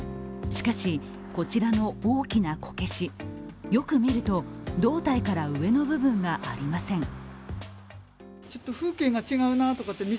しかし、こちらの大きなこけしよく見ると胴体から上の部分がありません。